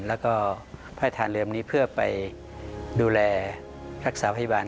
และก็พระราชทานเรือลำนี้เพื่อไปดูแลรักษาพยาบาล